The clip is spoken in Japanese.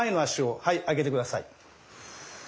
はい上げて下さい。